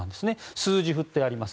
数字がふってあります。